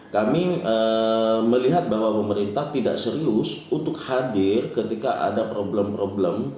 kami melihat bahwa pemerintah tidak serius untuk hadir ketika ada problem problem